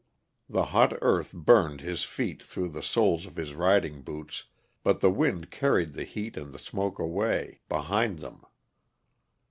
The hot earth burned his feet through the soles of his riding boots, but the wind carried the heat and the smoke away, behind them.